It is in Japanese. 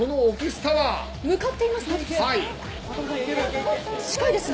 向かっていますね。